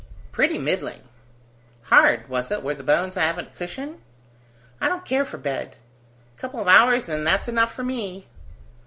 "Pretty middling." "Hard, was it, where the bones haven't cushion?" "I don't care for bed. A couple of hours, and that's enough for me."